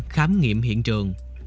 khám nghiệm hiện trường